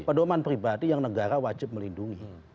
pedoman pribadi yang negara wajib melindungi